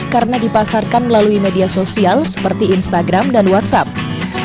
karena dipasarkan melalui media sosial seperti instagram dan whatsapp